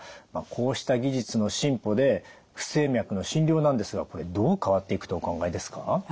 こうした技術の進歩で不整脈の診療なんですがこれどう変わっていくとお考えですか？